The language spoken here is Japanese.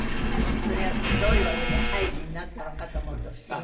それがどういうわけでハイジになったのかと思うと不思議な。